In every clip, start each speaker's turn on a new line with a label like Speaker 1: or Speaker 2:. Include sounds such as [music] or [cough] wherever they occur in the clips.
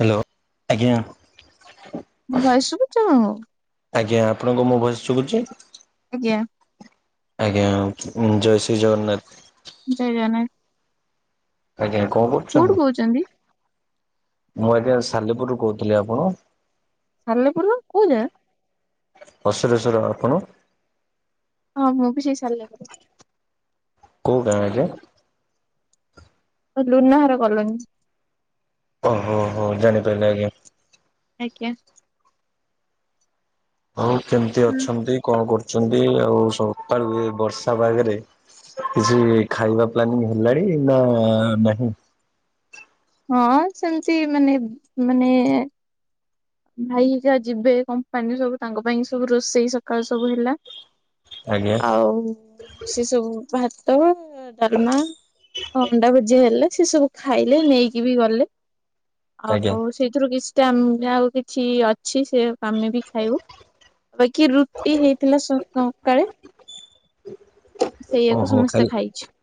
Speaker 1: Hello ଆଜ୍ଞା।
Speaker 2: ମୋ ଭୟସ ସୁବୁଛି ଆପଣଙ୍କୁ?
Speaker 1: ଆଜ୍ଞା ଆପଣଙ୍କ ମୁଁ ଭୟସ ସୁଭୁଛି?
Speaker 2: ଆଜ୍ଞା।
Speaker 1: ଆଜ୍ଞା ଜୟ ଶ୍ରୀ ଜଗନ୍ନାଥ।
Speaker 2: ଜୟ ଜଗନ୍ନାଥ।
Speaker 1: ଆଜ୍ଞା କଣ କରୁଛ
Speaker 2: କୋଉଠୁ କହୁଛନ୍ତି?
Speaker 1: ମୁଁ ଆଜ୍ଞା ସାଲେପୁରରୁ କହୁଥିଲି ଆପଣ?
Speaker 2: ସାଲେପୁରରୁ କୋଉ ଯା?
Speaker 1: [unintelligible] ଆପଣ?
Speaker 2: ହଁ ମୁଁ ବି ସେଇ ସାଲେପୁର।
Speaker 1: କୋଉ ଗାଁ ରେ
Speaker 2: ଲୁନାହାର କଲୋନୀ।
Speaker 1: ଓ ହୋ ହୋ ଜାଣି ପାଇଲି ଆଜ୍ଞା।
Speaker 2: ଆଜ୍ଞା।
Speaker 1: ହଉ କେମିତି
Speaker 2: ହୁଁ।
Speaker 1: ଅଛନ୍ତି କଣ କରୁଛନ୍ତି ଆଉ ସକାଳୁ ବର୍ଷା ପାଗରେ? କିଛି ଖାଇବା ପ୍ଲାନିଂ ହେଲାଣି ନା ନାହିଁ?
Speaker 2: ହଁ ସେମତି ମାନେ ମାନେ ଭାଇ ହେରିକା ଯିବେ କମ୍ପାନୀରୁ ସବୁ ତାଙ୍କ ପାଇଁ ସବୁ ରୋଷେଇ ସକାଳୁ ସବୁ ହେଲା।
Speaker 1: ଆଜ୍ଞା
Speaker 2: ଆଉ ସେ ସବୁ ଭାତ ଡାଲମା, ଅଣ୍ଡା ଭୁଜିଆ ହେଲେ ସେ ସବୁ ଖାଇଲେ ନେଇକି ବି ଗଲେ।
Speaker 1: ଆଜ୍ଞା
Speaker 2: ଆଉ ସେଇଥିରୁ କିଛିଟ ଆଉ ଛି ଅଛି ସେ ଆମେ ବି ଖାଇବୁ। ବାକି ରୁଟି ହେଇଥିଲା ସକାଳେ ସେଇଆକୁ
Speaker 1: ଓହୋ ଖାଲି
Speaker 2: ସମସ୍ତେ ଖାଇଛୁ।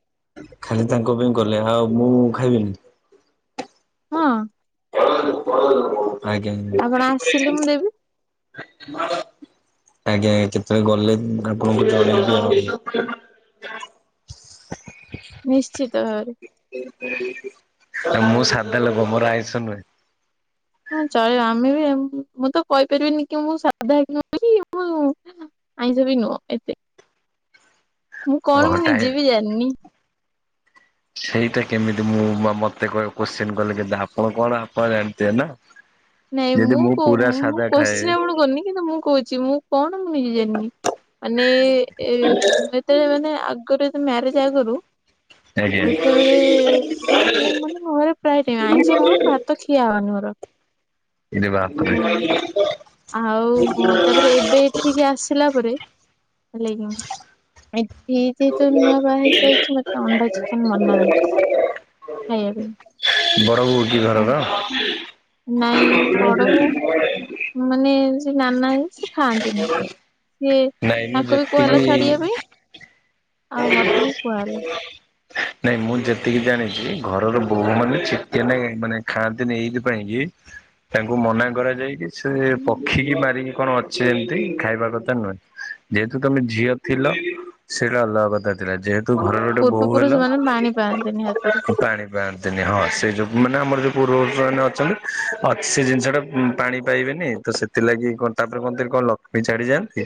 Speaker 1: ଖାଲି ତାଙ୍କ ପାଇଁ କଲେ। ଆଉ ମୁଁ ଖାଇବିନି?
Speaker 2: ହଁ।
Speaker 1: ଆଜ୍ଞା।
Speaker 2: ଆପଣ
Speaker 1: ଆଜ୍ଞା
Speaker 2: ଆସିଲେ ମୁଁ ଦେବି
Speaker 1: କେତେବେଳେ ଗଲେ ଆପଣଙ୍କୁ ଜଣାଇବୁ ଆଉ।
Speaker 2: ନିଶ୍ଚିତ ଭାବରେ।
Speaker 1: ଆ ମୁଁ ସାଧା ଲୋକ ମୋର ଆଇଁଷ ନୁହେଁ।
Speaker 2: ହଁ ଚଳିବ। ଆମେ ବି ମୁଁ ତ କହିପାରିବିନି କି ମୁଁ ସାଧା କିି ମୁଁ ଆଇଁସ ବିି ନୁହଁ ଏତେ। ମୁଁ କଣ
Speaker 1: ଓହୋ
Speaker 2: ମୁଁ
Speaker 1: ଟାଇ
Speaker 2: ନିଜେ ବି ଜାଣିନି।
Speaker 1: ସେଇଟା କେମିତି, ମୁଁ ମତେ କୋଶ୍ଚିନ୍ କଲେ କେ ଆପଣ କଣ ଆପଣ ଜାଣିଥିବେ ନା?
Speaker 2: ନାଇଁ
Speaker 1: ଯଦି
Speaker 2: ମୁଁ କୋ
Speaker 1: ପୁରା
Speaker 2: ମୁଁ
Speaker 1: ସାଧା ଖାଏ
Speaker 2: କୋଶ୍ଚିନ୍ ଆପଣଙ୍କୁ କରିନି, କିନ୍ତୁ ମୁଁ କହୁଛି ମୁଁ କଣ ମୁଁ ନିଜେ ଜାଣୀନି। ମାନେ ମୁଁ ଯେତେବେଳେ ମାନେ ଆଗରୁ ମ୍ୟାରେଜ ଆଗରୁ
Speaker 1: ଆଜ୍ଞା।
Speaker 2: ଯେତେବେଳେ, ମାନେ ମୁ ମାନେ ମୋର ପ୍ରାୟ ଟାଇମ୍ ଆଇଁଷ ନହେଲେ ଭା ତ ଖିଆ ହବନି ମର।
Speaker 1: ଇରେ ବାପ୍ ରେ।
Speaker 2: ଆଉ ତାପରେ ଏବେ ଏଠିକି ଆସିଲା ପରେ ହେଲା କି ଧି ଦି ତ ନୂଆ ବା ହେଇକି ଯାଇଛି ମତେ ଅଣ୍ଡା ଚିକେନ୍ ମନା ହେଇଛି ଖାଇବା ପାଇଁ।
Speaker 1: ବଡ ବୋଉ କି
Speaker 2: ନାଇଁ
Speaker 1: ଘରର?
Speaker 2: ନାଇଁ ବଡ ବୋଉ କ ମାନେ ସେ ନାନା ସେ ଖାଆନ୍ତିନି। ସିଏ
Speaker 1: ନାଇଁ ମୁଁ
Speaker 2: ତାଙ୍କୁ ବି କୁହା ହେଲା
Speaker 1: ଯେତିକି
Speaker 2: ଛାଡିବା ପାଇଁ। ଆଉ ମତେ ବି କୁହା ହେଲା।
Speaker 1: ନାଇଁ ମୁଁ ଯେତିକି ଜାଣିଛି ଘରର ବୋହୂ ମାନେ ଚିକେନ୍ ମାନେ ଖାଆନ୍ତିନି ଏଇଥିପାଇଁ କି ତାଙ୍କୁ ମନା କରାଯାଇକି ସେ ପକ୍ଷୀକି ମାରିକି କଣ ଅ ସେ ଏମିତି ଖାଇବା କଥା ନୁହେଁ। ଯେହେତୁ ତମେ ଝିଅ ଥିଲ, ସେଇଟା ଅଲଗା କଥା ଥିଲା। ଯେହେତୁ ଘରର ଗୋଟେ
Speaker 2: ପୂର୍ବ
Speaker 1: ବୋହୁ
Speaker 2: ପୁରୁଷ
Speaker 1: ହେଲ
Speaker 2: ପାଣି ପାଆନ୍ତିନି ହାତରୁ।
Speaker 1: ପାଣି ପାଆନ୍ତିନି। ହଁ ସେ ଯୋଉ ମାନେ ଆମର ଯୋଉ ପୂର୍ବ ପୁରୁଷ ଅଛନ୍ତି ସେ ଜିନିଷ ଟା ପାଣି ପାଇବେନି ତ ସେଥିଲାଗି କଣ ତାପରେ କୁହନ୍ତିନି କଣ ଲକ୍ଷ୍ମୀ ଛାଡିଯାଆନ୍ତି।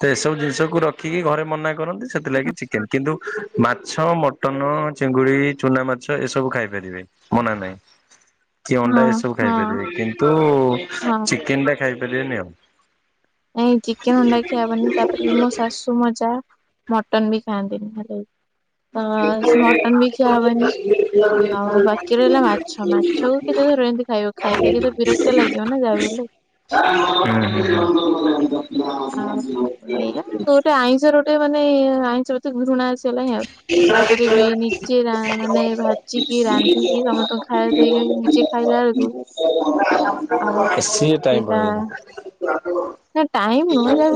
Speaker 1: ତ ଏସବୁ ଜିନିଷକୁ ରଖ ରଖିକି ଘରେ ମନା କରନ୍ତି। ସେଥିଲାଗି ଚିକେନ୍ କିନ୍ତୁ ମାଛ ମ ଟନ, ଚିଙ୍ଗୁଡ଼ି, ଚୁନା ମାଛ, ଏସବୁ ଖାଇପାରିବେ ମନା ନାହିଁ। କି
Speaker 2: ହଁ
Speaker 1: ଅଣ୍ଡା ଏସବୁ
Speaker 2: ହଁ
Speaker 1: ଖାଇପାରିବେ। କିନ୍ତୁ
Speaker 2: ହଁ।
Speaker 1: ଚିକେନ ଟା ଖାଇପାରିବେନି ଆଉ।
Speaker 2: ନାଇଁ ଚିକେନ ଅଣ୍ଡା ଖିଆହବନି ତାପରେ ବି ମୋ ଶାଶୁ, ମୋ ଯା ମଟନ ବି ଖାଆନ୍ତିନି ହେଲେ। ତ ସେ ମଟନ ବି ଖିଆ ହବନି। ଆଉ ବାକି ରହିଲା ମାଛ ମାଛକୁ କେତେ ଧରୁ ଏମିତି ଖାଇବ। ଖାଇ ଖାଇକି ତ ବିରକ୍ତ ଲାଗିବ ନା ଯାହା ହେଲେ।
Speaker 1: ହୁଁ, ହୁଁ, ହୁଁ।
Speaker 2: ଆଉ ଏଇଆ। ଗୋଟେ ଆଇଁଷର ଗୋଟେ ମାନେ ଆଇଁଷ ପ୍ରତି ଘୃଣା ଆସିଗଲାଣିି ଆଉ। ତାପରେ ବି ନିଜେ ମାନେ ଭାଜିକି ରାନ୍ଧିକି ସମସ୍ତଙ୍କୁ ଖାଇବା ଦେଇକି ନିଜେ ଖାଇଲା ବେଳକୁ ଆଉ
Speaker 1: ଏସି ଟାଇମ
Speaker 2: ସେଇଟା
Speaker 1: ରହେନି।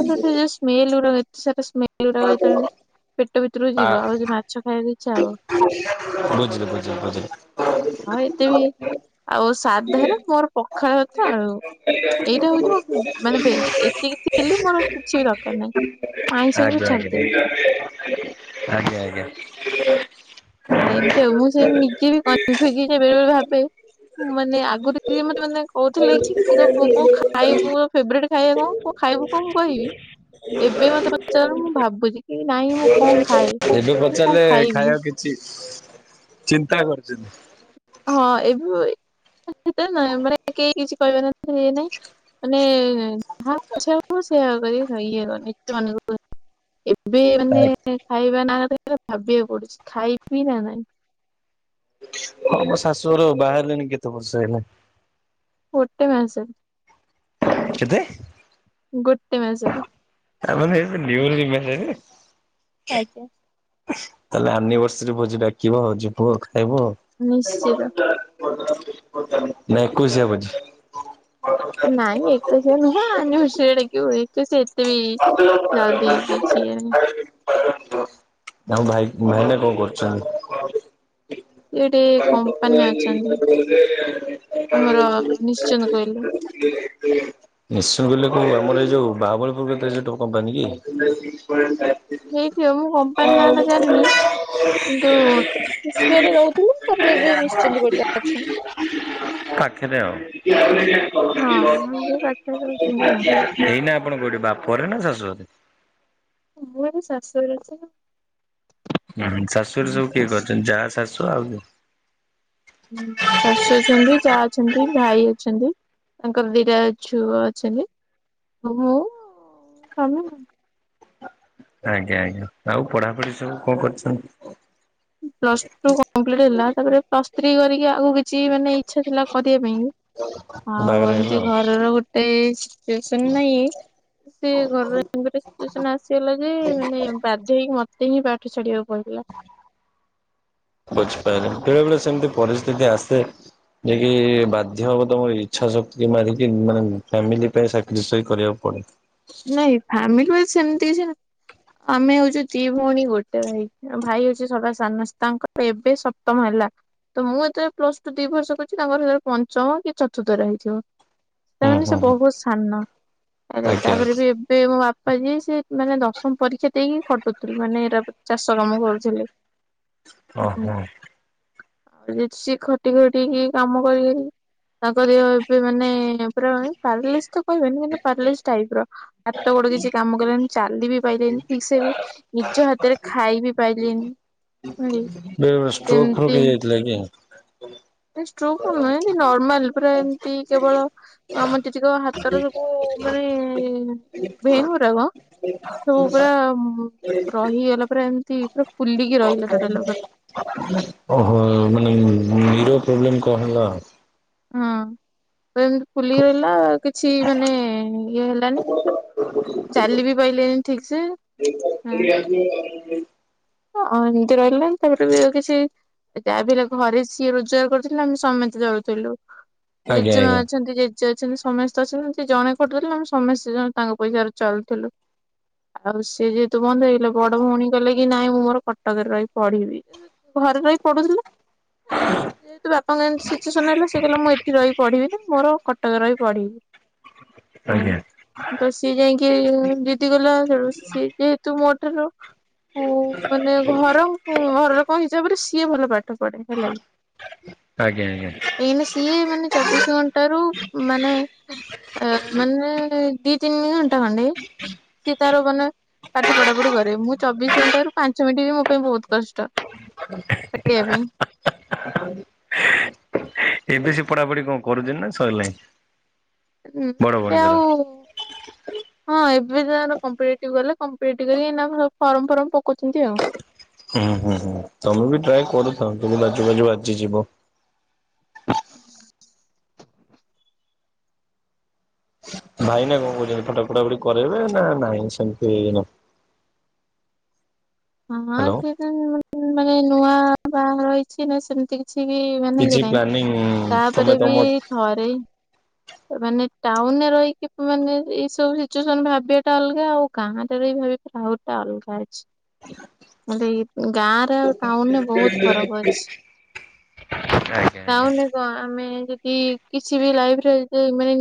Speaker 2: ମାନେ ଏଠି ଯଉ ସ୍ମେଲ ଉରା ଏତେ ସାରା ସ୍ମେଲ ଉରା ହେଇଥାଏ ନା ପେଟ ଭିତରକୁ ଯିବ। ଆଉ ଯେ ମାଛ ଖାଇବା କୁ ଇଛା ହବ। ହଁ ଏତେ ବି, ଆଉ ସାଧା ରେ ମୋର ପଖାଳ ଭାତ, ଆଳୁ। ଏଇଟା ହଉଚି ମୋ ମାନେ ବେଷ୍ଟ ଏତିକି ଥି ଥିଲେ ମୋର କିଛି ବି ଦରକାର ନାହିଁ ମୁଁ ଆଇଁଷକୁୁ ବି ଛାଡିଦେବି।
Speaker 1: ଆଜ୍ଞା, ଆଜ୍ଞା।
Speaker 2: ହଁ ଏମିତି ଆଉ। ମୁଁ ସେ ନିଜେ ବି କନଫ୍ୟୁଜ ହେଇ ବେଳେ ବଳେ ଭାବେ ମାନେ ଆଗରୁ କିଏ ମତେ ମାନେ କହୁଥିଲେ କି [unintelligible] ଖାଇବୁ
Speaker 1: ଏବେ
Speaker 2: ଫେବରଟ ଖାଇବା କଣ କ ଖାଇବୁ କଣ ମୁଁ କହିବି ଏବେ ମତେ ପଚାର ମୁଁ ଭାବୁଚି। କି ନାଇଁ ମୁଁ କଣ ଖାଏ ମୁଁ କଣ ଖାଇବି।
Speaker 1: ଚି ଚିନ୍ତା କରୁଛନ୍ତି।
Speaker 2: ହଁ ଏବେ ନ ମାନେ କେହି କିଛି କହିବେ ଇଏ ନାଇଁ। ମାନେ। [unintelligible] ଏବେ ମାନେ ଖାଇବା ନା ଧରିଲେ ଭାବିବାକୁ ପଡୁଚି ଖାଇବି ନା ନାଇଁ।
Speaker 1: ହଁ ମୋ ଶାଶୁଘରୁ ବାହହେଲେଣି କେତେ ବର୍ଷ ହେଲା?
Speaker 2: ଗୋଟେ ମାସ।
Speaker 1: କେତେ?
Speaker 2: ଗୋଟେ ମାସରେ।
Speaker 1: ଆପଣ [unintelligible] ନିଉଲି ମ୍ୟାରେଡ।
Speaker 2: ଆଜ୍ଞା।
Speaker 1: ତାହଲେ ଆନିଭର୍ସରୀ ଭୋଜି ଡାକିବ ଆଉ ଯିବୁ ଆଉ ଖାଇବୁ
Speaker 2: ନିଶ୍ଚିତ।
Speaker 1: ଆଉ। ନା ଏକୋଇଶିଆ ଭୋଜି?
Speaker 2: ନାଇଁ ଏକୋଇଶିଆ ନୁହଁ ଆନିଭର୍ଷରି ରେ ଡାକିବୁ ଏବେ ସେ ଏତ୍
Speaker 1: [unintelligible] ଆଉ ଭାଇ
Speaker 2: ନାହିଁ
Speaker 1: ଭାଇନା କଣ କରୁଚନ୍ତି? [unintelligible] [unintelligible]
Speaker 2: ସେ ଗୋଟେ କମ୍ପାନୀ ଅଛନ୍ତି ନିଶ୍ଚିନ୍ତ କୋଇଲି
Speaker 1: ଆମର ଏଇ ଯୋଉ ବାହାବଳପୁର [unintelligible] କମ୍ପାନୀ କି।
Speaker 2: ହେଇଥିବ ମୁଁ କମ୍ପାନୀ ନାଁ ଟା ଜାଣିନି।
Speaker 1: [unintelligible]
Speaker 2: କିନ୍ତୁ ଶିଶୁଆରେ ରହୁଥିଲେ ତାପରେ ଏବେ ନିଶ୍ଚିନ୍ତ କୋଇଲି ରେ ଅଛନ୍ତି।
Speaker 1: ପାଖରେ ଆଉ।
Speaker 2: ହଁ ଏଇ ପାଖରେ ରହୁଛନ୍ତି ଆଉ
Speaker 1: [unintelligible] ଏଇନା ଆପଣ କୋଉଠି ବାପଘରେ ନା ଶାଶୁଘରେ?
Speaker 2: ମୁଁ ଏବେ ଶାଶୁଘରେ ଅଛି ନା।
Speaker 1: ହଁ ଶାଶୁଘରେ ସବୁ କିଏ ଅଛନ୍ତି? ଜା, ଶାଶୁ ଆଉ କିଏ?
Speaker 2: ଶାଶୁ ଅଛନ୍ତି, ଜା ଅଛନ୍ତି, ଭାଇ ଅଛନ୍ତି। ତାଙ୍କର ଦିଟା ଛୁଆ ଅଛନ୍ତି। ଆଉ ମୁଁ ସ୍ୱାମୀ ଆଉ।
Speaker 1: ଆଜ୍ଞା ଆଜ୍ଞା। ଆଉ ପଢାପଢି ସବୁ କଣ କରିଛନ୍ତି?
Speaker 2: ପ୍ଲସ ଟୁ କମ୍ପିଟ ହେଲା। ତାପରେ ପ୍ଲସ୍ ଥ୍ରୀ କରିକି ଆଉ କିଛି ମାନେ ଇଚ୍ଛା ଥିଲା କରିବା ପାଇଁ ଆଉ
Speaker 1: ବାହାଘର ହେଲା
Speaker 2: ଏମିତି
Speaker 1: ଆଉ
Speaker 2: ଘରର ଗୋଟେ ସିଚୁଏସନ ନାଇ ସେ ଘର ର ଏମିତି ଗୋଟେ ସିଚୁଏସନ ଆସିଗଲା ଯେ ମାନେ ବାଧ୍ୟ ହେଇକି ମତେ ହିଁ ପାଠ ଛାଡିବାକୁ ପଡିଲା।
Speaker 1: ବୁଝିପାରିଲି। ବେଳେବେଳେ ସେମିତି ପରିସ୍ଥିତି ଆସେ। ଯାହା କି ବାଧ୍ୟ ହବ ତମର ଇଛା ଶକ୍ତି ମାରିକି ମାନେ ଫାମିଲି ପାଇଁ ସାକ୍ରିଫାଇଜ୍ କରିବାକୁ ପଡେ।
Speaker 2: ନାଇଁ ଫ୍ୟାମିଲି ପାଇଁ ସେମିତି କିଛି ନା ଆମେ ହଉଚୁ ଦି ଭଉଣୀ ଗୋଟେ ଭାଇ। ଭାଇ ହଉଚି ସଦା ସାନ। ତାଙ୍କର ଏବେ ସପ୍ତମ ହେଲା। ତ ମୁଁ ଯେତେବେଳେ ପ୍ଲସ ଟୁ ଦି ବର୍ଷ କରୁଚି ତାଙ୍କର ସେତେବେଳେ ପଞ୍ଚମ କି ଚତୁର୍ଥରେ ହେଇଥିବ। ତା
Speaker 1: ହୁଁ
Speaker 2: ମାନେ
Speaker 1: ହୁଁ
Speaker 2: ସେ
Speaker 1: ହୁଁ
Speaker 2: ବହୁତ ସାନ। [unintelligible]
Speaker 1: ଆଜ୍ଞା
Speaker 2: ଏବେ ମୋ ବାପା ଯିଏ ସେ ମାନେ ଦଶମ ପରୀକ୍ଷା ଦେଇକି ଖଟୁଥିଲୁ ମାନେ ଏଇରା ଚାଷ କାମ କରୁଥିଲେ।
Speaker 1: ଓହୋ
Speaker 2: [unintelligible] ସେ ଖଟି ଖଟିିକି କାମ କରି କରିଲି ତାଙ୍କ ଏବେ ମାନେ ପାରାଲିସ ତ କହିବିନି କିନ୍ତୁ ପାରାଲିସ ଟାଇପ୍ ର ହାତ ଗୋଡ଼ କିଛି କାମ କଲାନି ଚାଲି ବି ପାଇଲେନି ଠିକ ସେ ବି। ନିଜ ହାତରେ ଖାଇ ବିି ପାଇଲେନି।
Speaker 1: ବେଳେବେଳେ ଷ୍ଟ୍ରୋକ ଫ୍ରୋକ୍ ହେଇଯାଇଥିଲା କି?
Speaker 2: ଷ୍ଟ୍ର କଣ ନୁହଁ ଏ ନର୍ମାଲ ପୁରା ଏମିତି କେବଳ ଆମର ଚେଚି କହିବ ହାତର ସବୁ। [unintelligible] ସବୁ ପୁରା ରହିଗଲା ପୁରା ଏମିତି ପୁରା ଫୁଲିକି ରହିଲା ଟଡଲ ପା
Speaker 1: ଓହୋ। [unintelligible] [unintelligible]
Speaker 2: ହଁ ତ ଏମତି ଫୁଲି ରହିଲା କିଛି ମାନେ ଇଏ ହେଲାନି ଚାଲି ବିି ପାଇଲେନି ଠିକ ସେ ହୁଁ।
Speaker 1: [unintelligible]
Speaker 2: ଆଁ ଏମିତି ରହିଲାନି ତାପରେ ବି କିଛି ଯାହା ବି ହେଲେ ଘରେ ସିଏ ରୋଜଗାର କରୁଥିଲେ ଆମେ ସମେସ୍ତେ ଜଳୁଥିଲୁ
Speaker 1: ଆଜ୍ଞା।
Speaker 2: ଜେଜେମା ଅଛନ୍ତି ଜେ ଚେ ଅଛନ୍ତି ସମସ୍ତେ ଅଛନ୍ତି ଜଣେ ଖଟୁଥିଲେ ଆମେ ସମସ୍ତେ ତାଙ୍କ ପଇସା ଚାଲୁଥିଲୁ। ଆଉ ସିଏ ଯେହେତୁ ବନ୍ଦ ହେଇଗଲା ବଡ ଭଉଣୀ କଲେ କି ନାଇଁ ମୁଁ ମୋର କଟକରେ ରହି ପଢିବି ଘରେ ରହି ପଢୁଥିଲା। ଯେତୁ ବାପାଙ୍କତି ସିଚୁସ ନ ହେଲା ସେ କହିଲ ମୁଁ ଏଠି ରହିି ପଢିବି ନା ମୋର କ ଟରେ ରହି ପଢିଁ।
Speaker 1: ଆଜ୍ଞା
Speaker 2: ତ ସିଏ ଯାଇକି ଦିଦି ଗଲା ତୁ ସିଏ ଯେହେତୁ ମୋ ଠାରୁ ମାନେ ଘର ଘର ଲୋକଙ୍କ ହିସାବରେ ସିଏ ଭଲ ପା ଟ ପଢେ ହେଲେ
Speaker 1: ଆଜ୍ଞା
Speaker 2: ଏଇନା ସିଏ ମାନେ ଚବିଶ ଘଣ୍ଟ ରୁ ମାନେ ଆ ମାନେ ଦିଇ ତିନିଘଣ୍ଟା ମାନେ ସିଏ ତାର ମାନେ ପାଠ ପଢା ପଢି କରେ ମୁଁ ଚବିଶ ଘଣ୍ଟା ରୁ ପାଞ୍ଚ ମିନିଟ୍ ବି ମୋ ପାଇଁ ବହୁତ କଷ୍ଟ ଇବା ପାଇଁ।
Speaker 1: ଏବେ ସେ ପଢାପଢି କଣ କରୁଛନ୍ତି ନା ସଇଁ ଲାଣି।
Speaker 2: ହୁଁ ଏବେ ଆଉ ଏବେ ତାର କଂପ୍ଲିଟ୍ କଲେ କଂପ୍ଲିଟ୍ କରିକି ଏନା ସବୁ ଫର୍ମ ଫର୍ମ ପକୋଉଛନ୍ତି ଆଉ।
Speaker 1: ହୁଁ ହୁଁ ହୁଁ ତମେ ବି ଟ୍ରାଏ କରୁଥା ତ ଲାଜୁ ବାଜୁ ଆଜି ଯିବ। ଭାଇ ନା କଣ କହୁଛନ୍ତି ଫଟା ଫଟା ଫୁଡି କରାଇବେ ନା ନାଇଁ ସେମିତି
Speaker 2: ହଁ ସେଟ ମାନେ ନୂଆ ବାହାଘରହିଛି ନା ସେମିତି କି ଛି ମାନେ
Speaker 1: କିଛି
Speaker 2: ଇଏ ନହିଁ
Speaker 1: ପ୍ଲାନିଂ ତମେ
Speaker 2: ତାପରେ ବି
Speaker 1: ତମ
Speaker 2: ଥରେ ମାନେ ଟାଉନରେ ରହିକି ମାନେ ଏଇ ସବୁ ସିଚୁଏସନ ଭାବିବା ଟା ଅଲଗା ଆଉ ଗାଁ ରେ ରହି ଭାଵିଆହୁରି ଅଲଗାଛି। ମୁ ଦେଇ ଗାଁରେ ଆଉ ଟାଉନ ରେ ବହୁତ ଫରକ ଅଛି।
Speaker 1: ଆଜ୍ଞା ଆଜ୍ଞା।
Speaker 2: ତାହୁନ କଣ ଆମେ ଯଦି କିଛି ବି ଲାଇଫରେ ଯଦି ମାନେ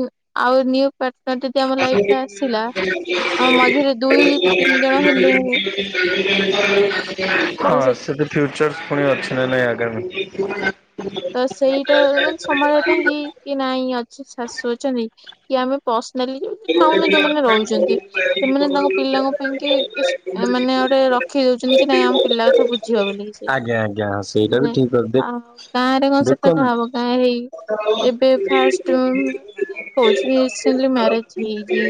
Speaker 2: ଆଉ। [unintelligible]
Speaker 1: [unintelligible]
Speaker 2: ଆସିଲା ଆମ ମଝିରେ ଦୁଇ ଯଦି ତିନି ଜଣ ହେଲୁ ତ ସେ
Speaker 1: [unintelligible] ଫ୍ୟୁଚର୍ସ ପୁଣି ଅଛି ନା ନାଇଁ ଆଗାମୀ।
Speaker 2: ତ ସେଇଟା ମାନେ ସମ୍ଭାଳିବା ପାଇଁ କି କି ନାଇଁ ଅଛି ଶାଶୁ ଅଛନ୍ତି କି ଆମେ ପର୍ସନାଲିଉ ତା ଉନ
Speaker 1: ଆଜ୍ଞା
Speaker 2: ଯୋଉମାନେ ରହୁଛନ୍ତି ସେମାନେ ତାଙ୍କ ପିଲାଙ୍କ ପାଇଁ କି ମାନେ ଗୋଟେ ଶିଖେଇ ଦଉଛନ୍ତି କି ନାଇଁ ଆମ ପିଲା କଥା ବୁଝିବ ବୋଲି ସେ
Speaker 1: ଆଜ୍ଞା ସେଇଟା ବି
Speaker 2: ମାନେ
Speaker 1: ଠିକ ଅଛି ଦେ
Speaker 2: ଆଉ ଗାଁ ରେ କଣ ସେ କଥା ହବ ଗାଁ ହେଇ ଏବେ ଫାଷ୍ଟ ମାନେ କହୁଛି ବି ରିସେଣ୍ଟଲି ମ୍ୟାରଜ ହେଇ ଯି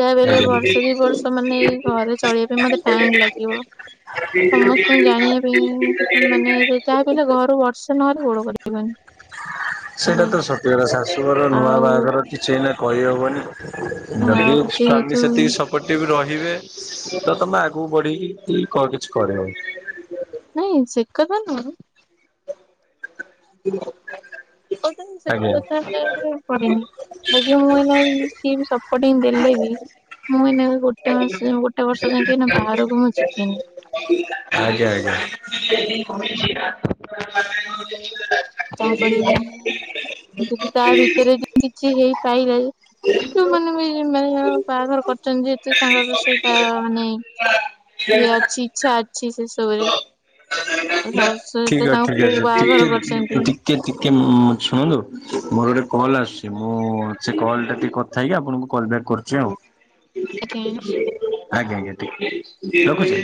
Speaker 2: ଯାହା ବଲେ ବର୍ଷେ ଦି ବର୍ଷ ମାନେ ଘରେ ଚଳେଇବା ପାଇଁ ମତେ ଟାଇମ ଲାଗିବ। ସମସ୍ତଙ୍କୁ ଜାଣିବା ପାଇଁ ମାନେ ଯାହା
Speaker 1: ଆଜ୍ଞା।
Speaker 2: ବିଲେ ଘରୁ ବର୍
Speaker 1: ସେଇଟା
Speaker 2: ହେଲା
Speaker 1: ତ ସତଡ ଶାଶୁଘର ନୂଆ
Speaker 2: ଆଉ
Speaker 1: ବାହାଘର କିଛିଇନା କହିହବନି ଯଦି
Speaker 2: ଆଉ ଯେହେତୁ
Speaker 1: ଫାମିଲ ସେତିକି ସ ପୋର୍ଟ ବି ରହିବେ ତ ତମେ ଆଗକୁ ବଢିକି କିଛି କରିବ।
Speaker 2: ନାଇଁ ସେକଥା ନୁହଁ।
Speaker 1: ହ
Speaker 2: କହୁଛନ୍ତି ସେ କଥା ହେଲେ [inaudible] ପଡନି। ବାକି ମୁଁ ଏଇନା ସିଏ ବି ସପୋର୍ଟିଙ୍ଗ ଦେଲେ ବି ମୁଁ ଏଇନା ବି ଗୋଟ ଗୋଟେ ମାସ ଯାଏଁ ଗୋଟେ ବର୍ଷ ଯାଇଁକି ଏଇନା ବାହାରକୁ ମୁଁ ଯିବିନି।
Speaker 1: ଆଜ୍ଞା ଆଜ୍ଞା।
Speaker 2: ତାପରେ ବି ଯଦି ତା ଭିତରେ ଯଦି କିଛି ହେଇପାଇଲା ଯୋଉମାନେ ବି ମାନେ [inaudible] ବାହାଘର କରୁଛନ୍ତି ଯେହେତୁ ସାଙ୍ଗର ସେଇଟା ମାନେ ଇଏ
Speaker 1: ଆଜ୍ଞା।
Speaker 2: ଅଛି ଇଚ୍ଛା ଅଛି ସେ ସବୁରେ ଆଉ ତାସହିତ ତାଙ୍କ
Speaker 1: [inaudible]
Speaker 2: ପୁଅକୁ
Speaker 1: ଟିକେ
Speaker 2: ବାହାଘର କରିଛନ୍ତି।
Speaker 1: ଟିକେ ଟିକେ ଉଁ ଶୁଣନ୍ତୁ ମୋର ଗୋଟେ କଲ୍ ଆସୁଛି ମୁଁ ସେ କଲ୍ ଟା ଟିକେ କ ଥା ହେଇକି ଆପଣଙ୍କୁ କଲ୍ ବ୍ୟାକ୍ କରୁଛି ଆଉ।
Speaker 2: ଆଜ୍ଞା
Speaker 1: ଆଜ୍ଞା ଆଜ୍ଞା ଠିକ୍। ରଖୁଚି।